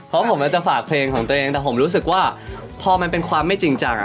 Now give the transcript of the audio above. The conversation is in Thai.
เพราะผมอาจจะฝากเพลงของตัวเองแต่ผมรู้สึกว่าพอมันเป็นความไม่จริงจัง